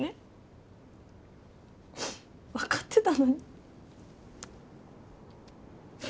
分かってたのに。